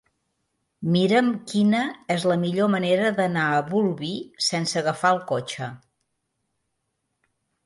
Mira'm quina és la millor manera d'anar a Bolvir sense agafar el cotxe.